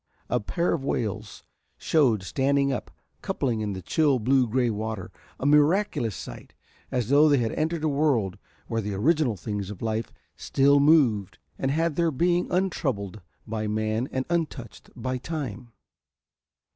A pair of whales shewed, standing up, coupling in the chill blue grey water, a miraculous sight, as though they had entered a world where the original things of life still moved and had their being untroubled by man and untouched by Time.